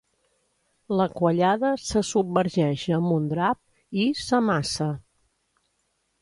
La quallada se submergeix amb un drap i s'amassa.